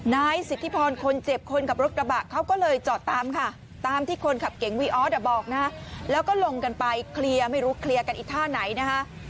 นายสิทธิพรคนเจ็บคนขับรถกระบะเขาก็เลยจอดตามค่ะตามที่คนขับเก๋งวีออสบอกนะแล้วก็ลงกันไปเคลียร์ไม่รู้เคลียร์กันอีกท่าไหนนะคะ